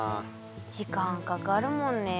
時間かかるもんねえ。